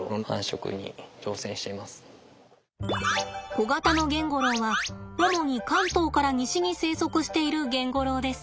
コガタノゲンゴロウは主に関東から西に生息しているゲンゴロウです。